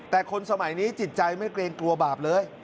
แต่คนสมัยนี้จิตใจไม่เกรงกลัวบาปเลย